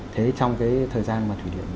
thế trong cái thời gian mà thủy điện